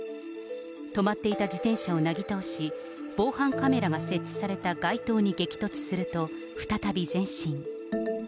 止まっていた自転車をなぎ倒し、防犯カメラが設置された街灯に激突すると、再び前進。